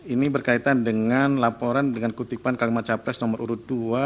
ini berkaitan dengan laporan dengan kutipan kalimat capres nomor urut dua